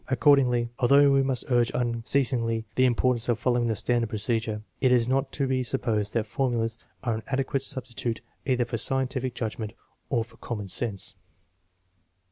Accordingly, although we must urge unceasingly the im portance of following the standard procedure, it is not to be supposed that formulas are an adequate substitute either for scientific judgment or for common sense.